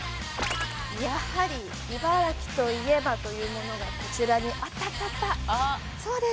やはり茨城といえばというものがこちらにあったあったあったそうです